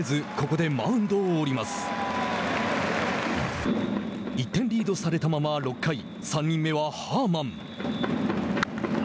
１点リードされたまま６回３人目はハーマン。